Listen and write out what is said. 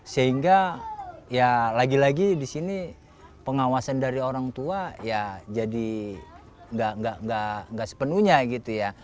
sehingga ya lagi lagi di sini pengawasan dari orang tua ya jadi nggak sepenuhnya gitu ya